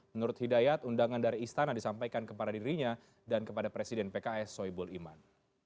menurut hidayat undangan dari istana disampaikan kepada dirinya dan kepada presiden pks soebul iman